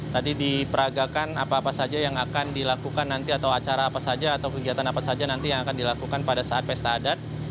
tadi diperagakan apa apa saja yang akan dilakukan nanti atau acara apa saja atau kegiatan apa saja nanti yang akan dilakukan pada saat pesta adat